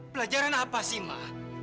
pelajaran apa sih ma